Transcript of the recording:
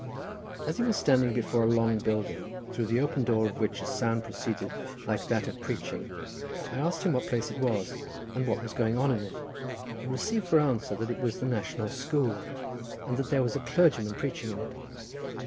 As he was standing before a long building, through the open door of which a sound proceeded like that of preaching, I asked him what place it was, and what was going on in it, and received for answer that it was the National School, and that there was a clergyman preaching in it.